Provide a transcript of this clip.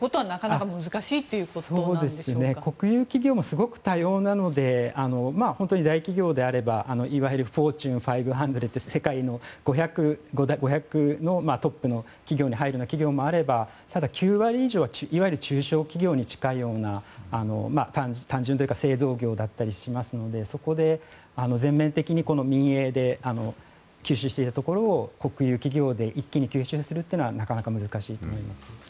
国有企業もすごく多様なので本当に大企業であればいわゆる世界の５００のトップの企業に入る企業もあればただ、９割以上はいわゆる中小企業に近いような単純というか製造業だったりしますのでそこで全面的に民営で吸収していたところを国有企業で一気に吸収するのはなかなか難しいと思います。